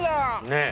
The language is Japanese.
ねえ。